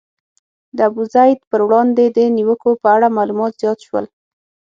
د ابوزید پر وړاندې د نیوکو په اړه معلومات زیات شول.